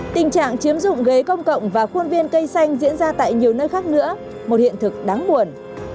tình trạng chiếm dụng ghế công cộng và khuôn viên cây xanh diễn ra tại nhiều nơi khác nữa một hiện thực đáng buồn